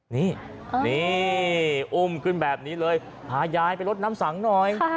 นี่นี่อุ้มขึ้นแบบนี้เลยพายายไปลดน้ำสังหน่อย